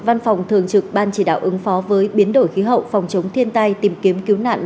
văn phòng thường trực ban chỉ đạo ứng phó với biến đổi khí hậu phòng chống thiên tai tìm kiếm cứu nạn